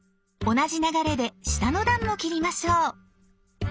同じ流れで下の段も切りましょう。